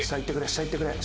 下行ってくれ。